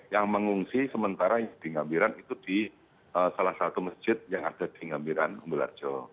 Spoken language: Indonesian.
yang mengungsi sementara yang di ngambiran itu di salah satu masjid yang ada di ngambiran umbul harjo